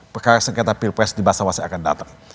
perkara sengketa pilpres di basawasya akan datang